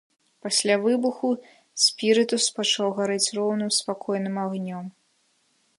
Пасля выбуху спірытус пачаў гарэць роўным спакойным агнём.